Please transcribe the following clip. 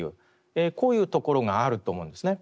こういうところがあると思うんですね。